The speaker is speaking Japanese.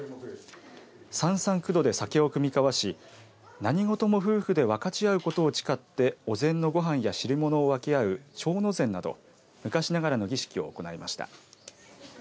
三々九度で酒を酌み交わし何事も夫婦で分かち合うことを誓ってお膳のごはんや汁物を分け合う蝶の膳など昔ながらの儀式を行いました。